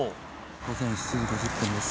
午前７時５０分です。